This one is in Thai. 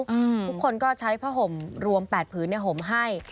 ทุกคนก็ใช้ผ้าห่มรวมแปดผืนเนี่ยห่มให้